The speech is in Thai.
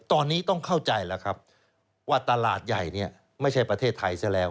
ตอนนี้ต้องเข้าใจแล้วครับว่าตลาดใหญ่เนี่ยไม่ใช่ประเทศไทยซะแล้ว